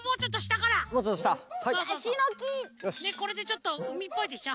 ねっこれでちょっとうみっぽいでしょ。